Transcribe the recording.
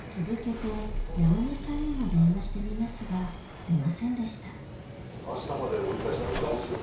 続けて山根さんにも電話してみますが出ませんでしたあしたまで折り返しなかったら。